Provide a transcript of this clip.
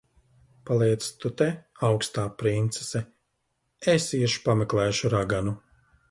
Paliec tu te, augstā princese. Es iešu pameklēšu raganu.